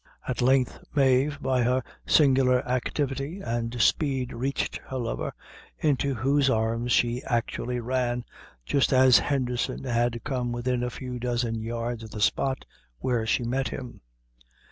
At length Mave, by her singular activity and speed reached her lover, into whose arms she actually ran, just as Henderson had come within about half a dozen yards of the spot where she met him.